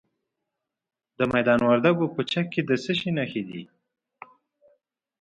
د میدان وردګو په چک کې د څه شي نښې دي؟